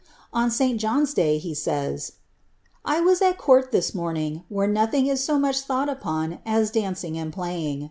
On Si. John's day, he says —" I waa at court this morning, where nothing is so much thonghl upon AS (lancing and playing.